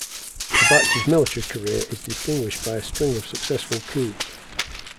Abacha's military career is distinguished by a string of successful coups.